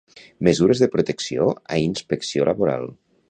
Mesures de protecció a inspecció laboral.